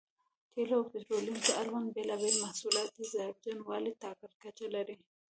تېلو او پټرولیم ته اړوند بېلابېل محصولات د زهرجنوالي ټاکلې کچه لري.